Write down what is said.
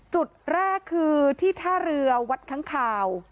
จุดแรกคือที่ท่าเรือวัดค้างคาว